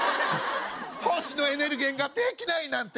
星野エネル源ができないなんて。